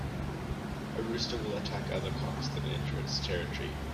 A rooster will attack other cocks that enter its territory.